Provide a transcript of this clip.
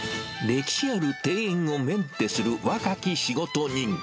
歴史ある庭園をメンテする若き仕事人。